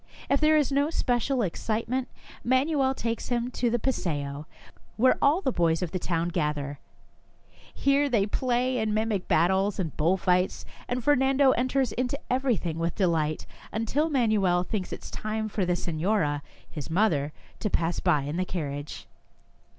If there is no special excitement, Manuel takes him to the paseo, where all the boys of the town gather. Here they play in mimic battles and bull fights, and Fernando enters into everything with delight, until Man uel thinks it is time for the senora, his mother, to pass by in the carriage.